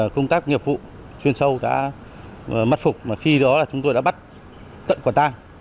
công tác nghiệp vụ chuyên sâu đã mất phục khi đó chúng tôi đã bắt tận quản tang